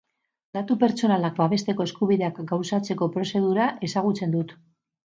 Datu pertsonalak babesteko eskubideak gauzatzeko prozedura ezagutzen dut.